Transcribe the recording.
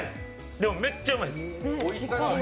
でもめっちゃうまいです。